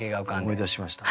思い出しました。